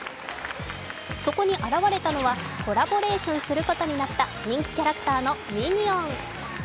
そこに現れたのは、コラボレーションすることになった人気キャラクターのミニオン。